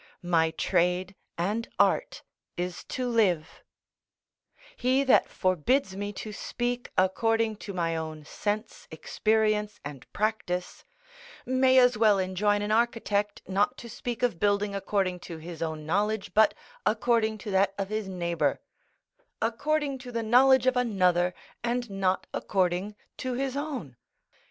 My trade and art is to live; he that forbids me to speak according to my own sense, experience, and practice, may as well enjoin an architect not to speak of building according to his own knowledge, but according to that of his neighbour; according to the knowledge of another, and not according to his own.